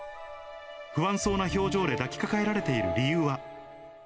不安そうな表情で抱きかかえられている理由は。